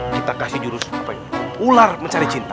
kita kasih jurus apa ini ular mencari cinta